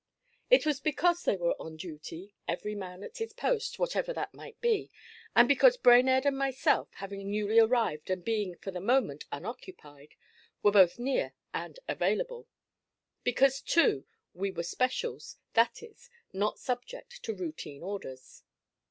It was because they were on duty, every man at his post, whatever that might be, and because Brainerd and myself having newly arrived and being for the moment unoccupied were both near and available. Because, too, we were specials, that is, not subject to routine orders.